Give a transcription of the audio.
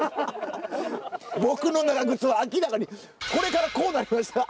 僕の長靴は明らかにこれからこうなりました。